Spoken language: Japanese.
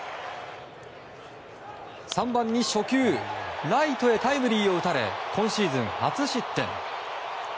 ３番に初球ライトへタイムリーを打たれ今シーズン初失点。